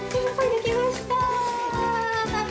できました！